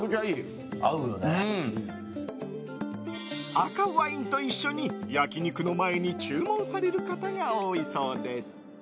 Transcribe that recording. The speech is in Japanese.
赤ワインと一緒に焼き肉の前に注文される方が多いそうです。